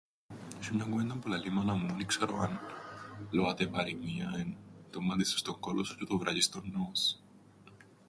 " Έσ̆ει μιαν κουβέντα που λαλεί η μάνα μου, εν ι-ξέρω αν λοάται παροιμία, εν' ""το μμάτιν σου στον κώλον σου τζ̆αι το βρατζ̆ἰν στον νώμον σου."""